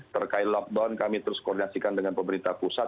terkait lockdown kami terus koordinasikan dengan pemerintah pusat